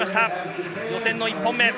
予選の１本目。